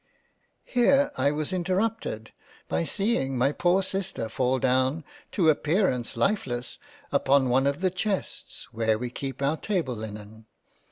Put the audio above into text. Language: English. Here I was interrupted, by seeing my poor Sister fall down to appearance Lifeless upon one of the Chests, where we keep our Table linen.